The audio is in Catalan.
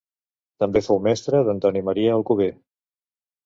També fou mestre d'Antoni Maria Alcover.